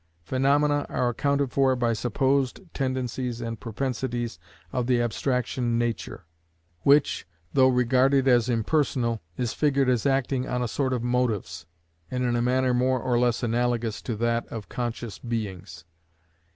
Phaenomena are accounted for by supposed tendencies and propensities of the abstraction Nature; which, though regarded as impersonal, is figured as acting on a sort of motives, and in a manner more or less analogous to that of conscious beings.